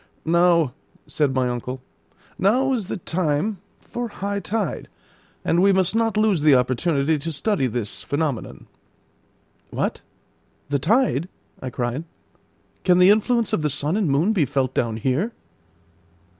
"Now," said my uncle, "now is the time for high tide, and we must not lose the opportunity to study this phenomenon." "What! the tide!" I cried. "Can the influence of the sun and moon be felt down here?"